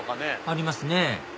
ありますね